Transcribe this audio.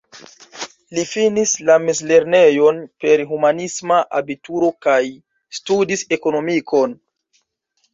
Li finis la mezlernejon per humanisma abituro kaj studis ekonomikon.